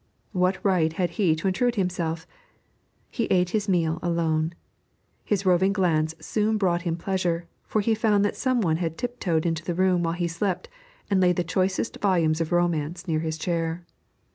What right had he to intrude himself? He ate his meal alone. His roving glance soon brought him pleasure, for he found that some one had tip toed into the room while he slept and laid the choicest volumes of romance near his chair.